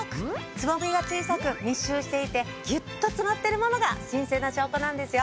つぼみが小さく密集していてぎゅっと詰まってるものが新鮮な証拠なんですよ。